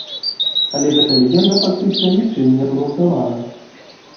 Але гэта легенда фактычна нічым не абгрунтавана.